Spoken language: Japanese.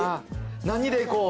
何でいこう？